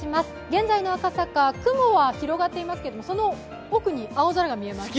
現在の赤坂、雲は広がっていますけどその奥に青空が見えます。